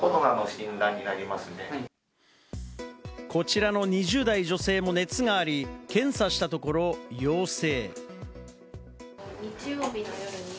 こちらの２０代女性も熱があり、検査したところ陽性。